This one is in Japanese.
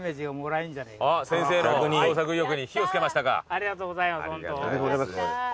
ありがとうございますホント。